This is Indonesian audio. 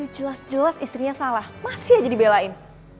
jelas jelas istrinya salah masih aja dibelain